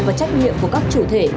và trách nhiệm của các chủ thể